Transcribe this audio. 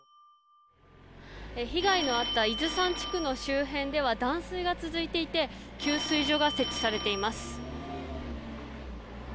被害のあった伊豆山地区の周辺では断水が続いていて給水所が設置されています。